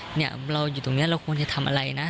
เนี่ยเราอยู่ตรงนี้เราควรจะทำอะไรนะ